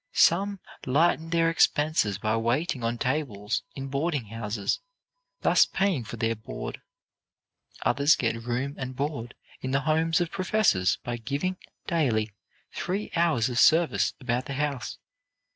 Some lighten their expenses by waiting on tables in boarding houses, thus paying for their board. Others get room and board in the homes of professors by giving, daily, three hours of service about the house.